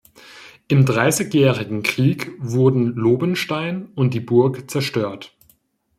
Im Dreißigjährigen Krieg wurden Lobenstein und die Burg zerstört.